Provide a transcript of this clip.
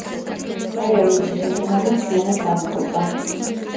ერევნის ციხესიმაგრე მთლიანად განადგურდა.